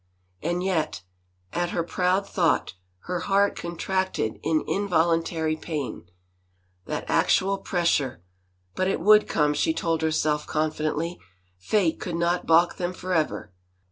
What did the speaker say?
And yet, at her proud thought, her heart contracted in involuntary pain. That actual pressure! But it would come, she told herself confidently. Fate could not balk them forever.